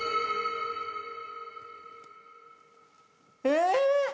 え